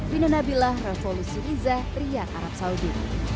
bina nabilah revolusi niza ria arab saudi